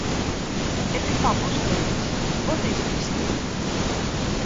E ¿que fan vostedes?, ¿onde invisten?